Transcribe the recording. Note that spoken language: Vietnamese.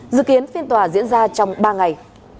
dự kiến phiên tòa diễn ra trong ba ngày